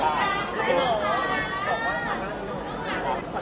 สวัสดีครับ